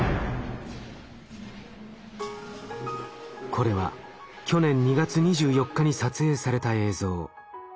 これは去年２月２４日に撮影された映像。